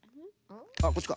あっこっちか？